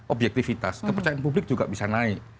objektivitas kepercayaan publik juga bisa naik